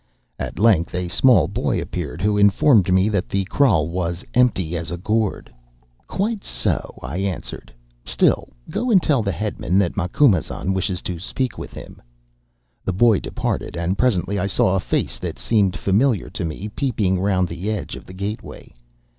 At length a small boy appeared who informed me that the kraal was 'empty as a gourd.' "'Quite so,' I answered; 'still, go and tell the headman that Macumazahn wishes to speak with him.' "The boy departed, and presently I saw a face that seemed familiar to me peeping round the edge of the gateway.